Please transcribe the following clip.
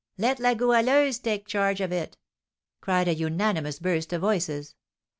"Let La Goualeuse take charge of it!" cried a unanimous burst of voices.